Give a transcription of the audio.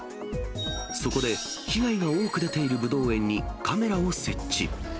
そこで被害が多く出ているぶどう園に、カメラを設置。